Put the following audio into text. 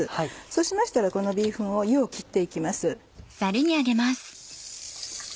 そうしましたらこのビーフンを湯を切って行きます。